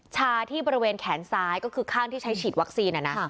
ชาที่บริเวณแขนซ้ายก็คือข้างที่ใช้ฉีดวัคซีน